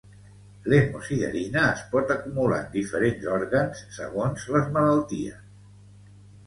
L'hemosiderina es pot acumular en diferents òrgans segons les malalties.